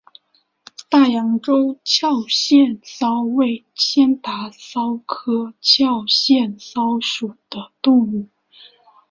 大洋洲壳腺溞为仙达溞科壳腺溞属的动物。